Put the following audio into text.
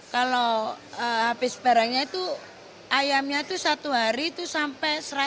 kalau habis barangnya itu ayamnya satu hari sampai